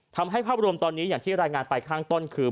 ภาพรวมตอนนี้อย่างที่รายงานไปข้างต้นคือ